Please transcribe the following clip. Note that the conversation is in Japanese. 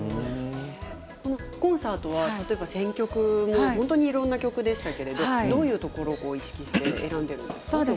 コンサートは選曲もいろんな曲でしたけど、どういうところを意識しているんですか？